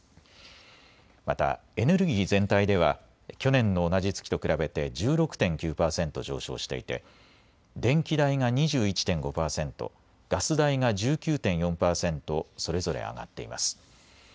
またエネルギー全体では去年の同じ月と比べて１６．９％上昇していて電気代が２１．５％、ガス代が１９．４％それぞれ上がっています。